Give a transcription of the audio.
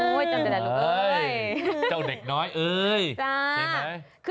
โอ๊ยจำแต่ละลูก